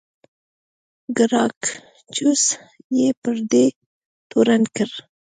ګراکچوس یې پر دې تورن کړ.